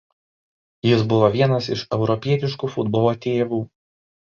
Jis buvo vienas iš Europietiško futbolo „tėvų“.